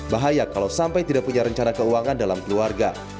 bahaya kalau sampai tidak punya rencana keuangan dalam keluarga